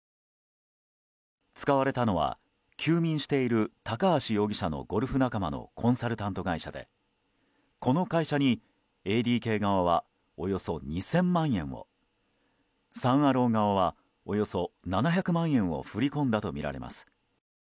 使われたのは、休眠している高橋容疑者のゴルフ仲間のコンサルタント会社でこの会社に、ＡＤＫ側はおよそ２０００万円をサン・アロー側はおよそ７００万円を振り込んだとみられます。